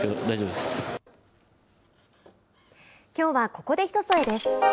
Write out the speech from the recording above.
きょうは、ここで「ひとそえ」です。